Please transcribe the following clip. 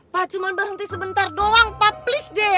pak cuma berhenti sebentar doang pak please deh